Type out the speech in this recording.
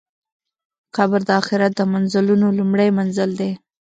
قبر د آخرت د منزلونو لومړی منزل دی.